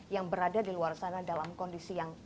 yang berada di luar sana dalam kondisi yang